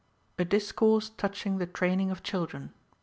A DISCOURSE TOUCHING THE TRAINING OF CHIL DREN.